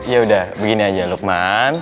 ya udah begini aja lukman